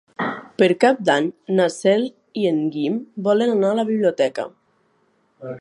Per Cap d'Any na Cel i en Guim volen anar a la biblioteca.